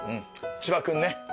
千葉君ね